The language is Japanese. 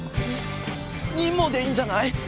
ニニモでいいんじゃない？